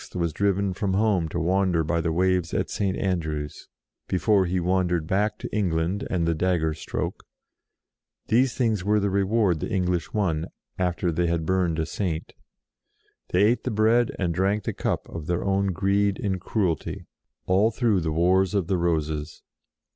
was driven from home to wander by the waves at St. Andrews, before he wandered back to England and the dagger stroke these things were the reward the English won, after they had burned a Saint. They ate the bread and drank the cup of their own greed and cruelty all through the Wars of the Roses.